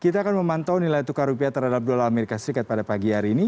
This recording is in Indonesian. kita akan memantau nilai tukar rupiah terhadap dolar amerika serikat pada pagi hari ini